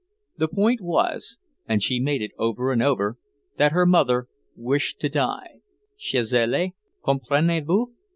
The point was, and she made it over and over, that her mother wished to die chez elle, comprenez vous?